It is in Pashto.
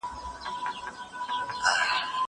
مينه د مور له خوا ښکاره کيږي!!